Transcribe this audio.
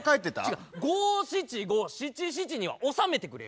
五七五七七には収めてくれよ。